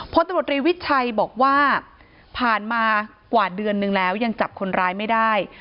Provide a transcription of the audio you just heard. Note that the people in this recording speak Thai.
พลตำรวจรีวิชัยบอกว่าผ่านมากว่าเดือนนึงแล้วยังจับคนร้ายไม่ได้